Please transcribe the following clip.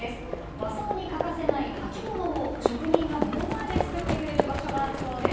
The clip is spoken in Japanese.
和装に欠かせない履物を職人が目の前で作ってくれる場所があるそうです。